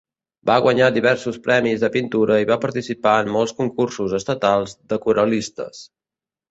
Va guanyar diversos premis de pintura i va participar en molts concursos estatals d'aquarel·listes.